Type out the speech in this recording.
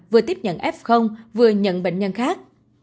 vừa tiếp nhận f vừa nhận bệnh nhân khác